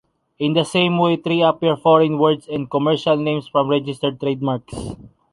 In the same way there appear foreign words and commercial names from registered trademarks.